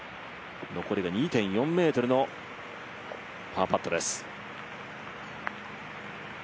残りが２．４ｍのパーパットです。